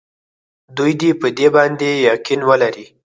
دوی دې په دې باندې یقین ولري.